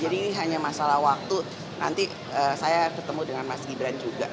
jadi ini hanya masalah waktu nanti saya ketemu dengan mas gibran juga